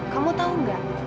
kamu tahu nggak